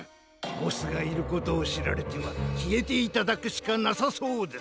ボスがいることをしられてはきえていただくしかなさそうです。